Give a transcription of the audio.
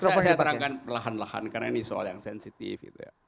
saya terangkan perlahan lahan karena ini soal yang sensitif